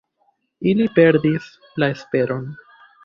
Ili perdis la esperon.